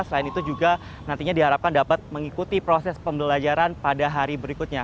selain itu juga nantinya diharapkan dapat mengikuti proses pembelajaran pada hari berikutnya